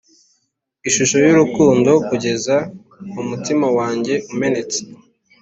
ishusho y'urukundo kugeza umutima wanjye umenetse